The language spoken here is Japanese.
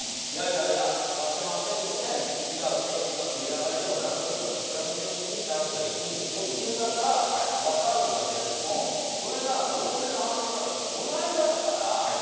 いやいや、出せませんので違う選手が繰り上がりでもなんでもいいからそちらの選手にチャンスがいくんですよというんだったら分かるんだけれどもそれが陽性が判明したのがこの間だから。